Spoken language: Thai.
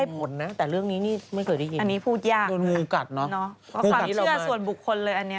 ก็ควรเชื่อส่วนบุคคลเลยอันนี้